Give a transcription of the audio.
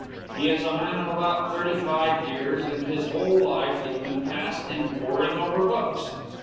He is a man of about thirty five years, and his whole life has been passed in poring over books.